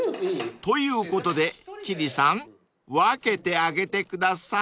［ということで千里さん分けてあげてください］